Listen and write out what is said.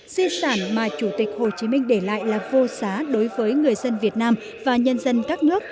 di sản mà chủ tịch hồ chí minh để lại là vô giá đối với người dân việt nam và nhân dân các nước